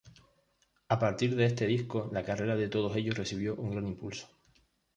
A partir de este disco la carrera de todos ellos recibió un gran impulso.